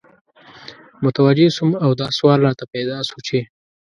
متوجه سوم او دا سوال راته پیدا سو چی